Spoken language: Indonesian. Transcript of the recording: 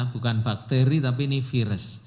bukan bakteri tapi ini virus